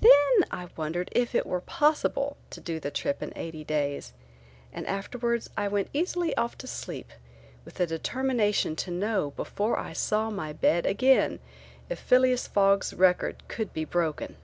Then I wondered if it were possible to do the trip eighty days and afterwards I went easily off to sleep with the determination to know before I saw my bed again if Phileas Fogg's record could be broken.